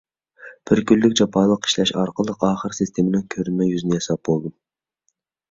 بىر كۈنلۈك جاپالىق ئىشلەش ئارقىلىق ئاخىرى سىستېمىنىڭ كۆرۈنمە يۈزىنى ياساپ بولدۇم.